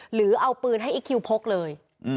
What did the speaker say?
หรือเอาปืนให้อีคคิวพกเลย